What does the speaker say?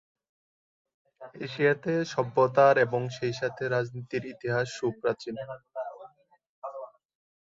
এশিয়াতে সভ্যতার এবং সেই সাথে রাজনীতির ইতিহাস সুপ্রাচীন।